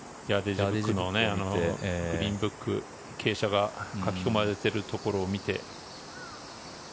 グリーンブック傾斜が書き込まれているところを見て。